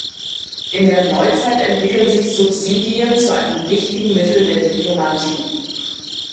In der Neuzeit entwickeln sich Subsidien zu einem wichtigen Mittel der Diplomatie.